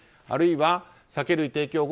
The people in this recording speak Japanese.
あるいは、酒類提供